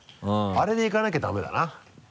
あれで行かなきゃダメだな。